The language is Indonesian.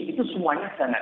itu semuanya jangan